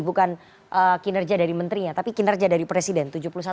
bukan kinerja dari menterinya tapi kinerja dari presiden